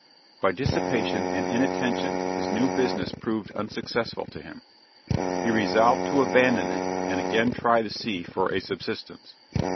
By dissipation and inattention his new business proved unsuccessful to him. He resolved to abandon it and again try the sea for a subsistence.